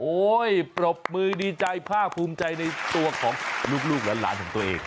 ปรบมือดีใจภาคภูมิใจในตัวของลูกและหลานของตัวเอง